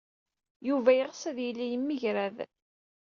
Yuba yeɣs ad yili yemgerrad.